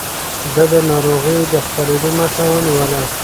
ده د ناروغيو د خپرېدو مخه ونيوله.